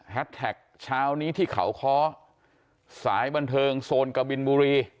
แท็กเช้านี้ที่เขาค้อสายบันเทิงโซนกบินบุรี